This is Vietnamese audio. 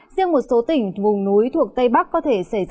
riêng một số tỉnh vùng núi thuộc tây bắc có thể xảy ra